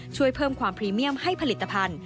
ช่วยเพิ่มความพรีเมียมให้ผลิตภัณฑ์